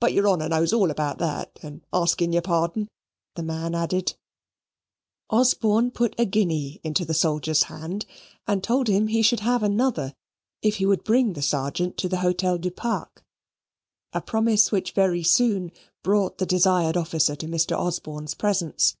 But your honour knows all about that and asking your pardon" the man added. Osborne put a guinea into the soldier's hand, and told him he should have another if he would bring the Sergeant to the Hotel du Parc; a promise which very soon brought the desired officer to Mr. Osborne's presence.